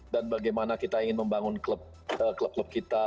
dan bagaimana kita ingin membangun klub klub kita